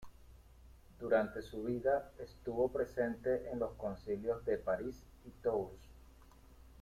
Durante su vida, estuvo presente en los Concilios de París y de Tours.